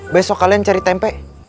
besok kalian cari tempe